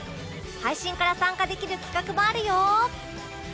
配信から参加できる企画もあるよ